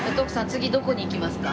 次どこに行きますか？